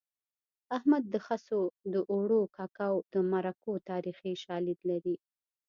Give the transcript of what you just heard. احمد د خسو د اوړو ککو د مرکو تاریخي شالید لري